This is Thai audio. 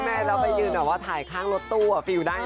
ไม่แล้วไปยืนเหมือนว่าถ่ายข้างรถตู้อะฟิลได้นะ